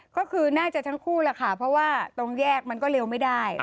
ก็คือน่าจะทั้งคู่แหละค่ะเพราะว่าตรงแยกมันก็เร็วไม่ได้